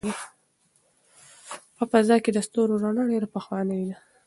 په فضا کې د ستورو رڼا ډېره پخوانۍ ده.